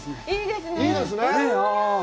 いいですね。